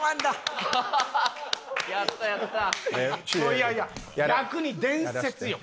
いやいや逆に伝説よ